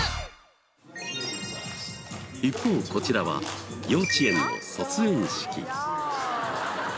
一方こちらは幼稚園の卒園式。